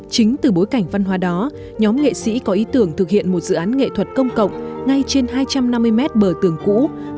chính từ bối cảnh văn hóa đó nhóm nghệ sĩ có ý tưởng thực hiện một dự án nghệ thuật công cộng ngay trên hai trăm năm mươi mét bờ tường cũ